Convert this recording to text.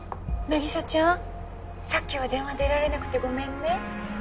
凪沙ちゃんさっきは電話出られなくてごめんね。